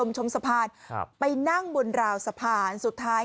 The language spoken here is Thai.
ชมสะพานครับไปนั่งบนราวสะพานสุดท้าย